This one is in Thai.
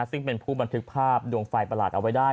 ซึ่งเป็นผู้บันทึกภาพดวงไฟประหลาดเอาไว้ได้